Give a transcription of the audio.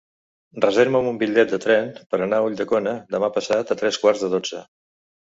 Reserva'm un bitllet de tren per anar a Ulldecona demà passat a tres quarts de dotze.